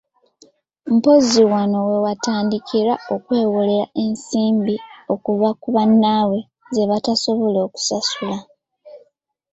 Mpozzi wano we batandikira okwewola ensimbi okuva ku bannaabwe zebatasobola kusasula!